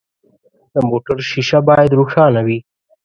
د موټر شیشه باید روښانه وي.